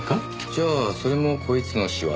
じゃあそれもこいつの仕業？